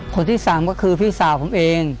คนที่สามก็คือพี่สาวผมเอง